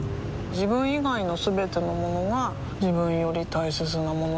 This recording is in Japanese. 自分以外のすべてのものが自分より大切なものだと思いたい